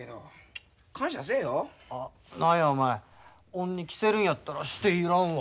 恩に着せるんやったらしていらんわ。